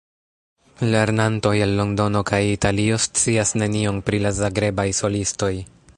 Lernantoj el Londono kaj Italio scias nenion pri la Zagrebaj solistoj.